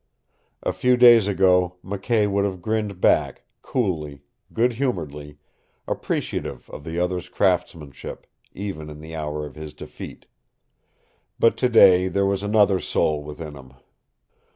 A few days ago McKay would have grinned back, coolly, good humoredly, appreciative of the other's craftsmanship even in the hour of his defeat. But today there was another soul within him.